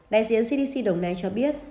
đại diện cdc đồng nai cho biết